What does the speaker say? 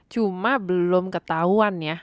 cuma belum ketahuan ya